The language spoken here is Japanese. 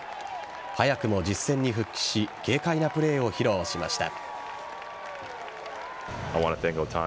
早くも実戦に復帰し軽快なプレーを披露しました。